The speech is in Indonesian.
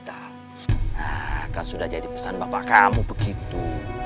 takkan sudah jadi pesan bapak kamu begitu